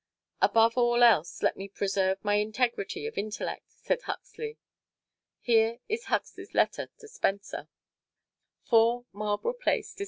"Above all else, let me preserve my integrity of intellect," said Huxley. Here is Huxley's letter to Spencer: 4 Marlborough Place, Dec.